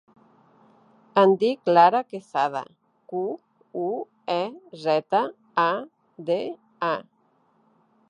Em dic Lara Quezada: cu, u, e, zeta, a, de, a.